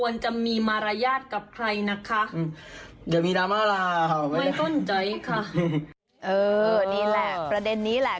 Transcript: นี่แหละประเด็นนี้แหละ